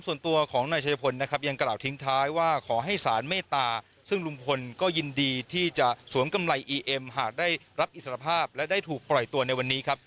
ซึ่งหลักทัพที่บอกว่าลุงพลไม่เคยมีพฤติการแบบนั้นนะครับ